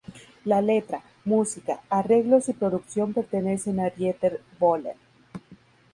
La letra, música, arreglos y producción pertenecen a Dieter Bohlen.